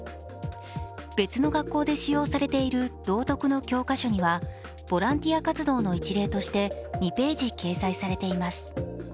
別の学校で使用されている道徳の教科書にはボランティア活動の一例として２ページ掲載されています。